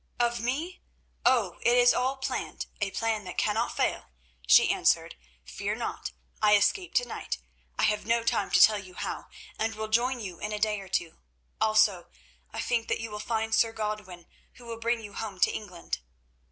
"'Of me? Oh! it is all planned, a plan that cannot fail,' she answered. 'Fear not; I escape to night—I have no time to tell you how—and will join you in a day or two. Also, I think that you will find Sir Godwin, who will bring you home to England.